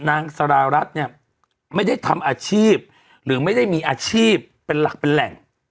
นางสารารัฐเนี่ยไม่ได้ทำอาชีพหรือไม่ได้มีอาชีพเป็นหลักเป็นแหล่ง